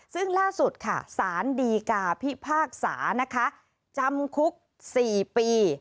ซึ่งล่าสุดค่ะสารดีกาพิพากษานะคะจำคุก๔ปี